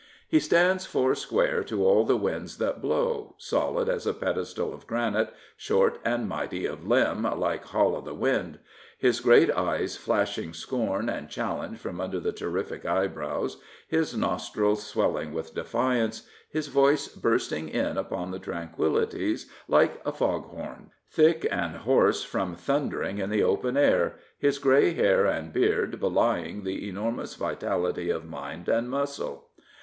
He stands four square to all the winds that blow, solid as a postal of granite] short and mighty of limb, like Hal o' th' Wynd, his great eyes flashing scorn and challenge from under the terrific eyebrows, his nostrils swelling with defiance, his voice bursting in upon the tranquillities like a fog^rn, thick and hoarse from thundering in the open air, his grey hair and beard belying the enormous vitality of mind and muscle.